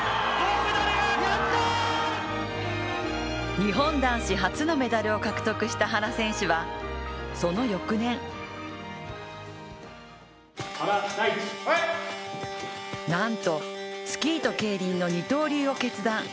日本男子初のメダルを獲得した原選手はその翌年なんとスキーと競輪の二刀流を決断。